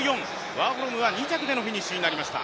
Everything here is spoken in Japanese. ワーホルムは２着でのフィニッシュとなりました。